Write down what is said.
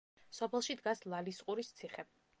სოფელში დგას ლალისყურის ციხე.